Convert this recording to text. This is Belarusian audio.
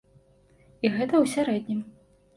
І гэта ў сярэднім.